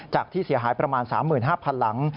ที่เสียหายประมาณ๓๕๐๐๐หลัง